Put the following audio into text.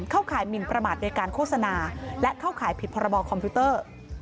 ข่ายหมินประมาทโดยการโฆษณาและเข้าข่ายผิดพรบคอมพิวเตอร์